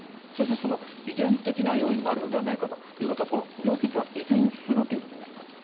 そしてその遺伝的な要因もあるのではないかということはこの病気というのは遺伝するということですか？